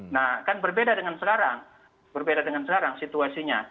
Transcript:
nah kan berbeda dengan sekarang berbeda dengan sekarang situasinya